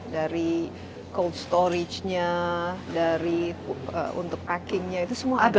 dari cold storage nya dari untuk packingnya itu semua ada